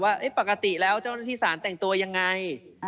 ว่าปกติแล้วเจ้าหน้าที่สารแต่งตัวยังไง